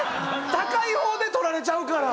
高い方で取られちゃうから。